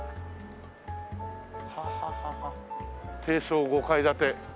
低層５階建て。